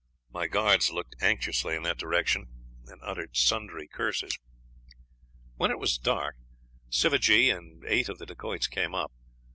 My guards looked anxiously in that direction, and uttered sundry curses. When it was dusk, Sivajee and eight of the Dacoits came up.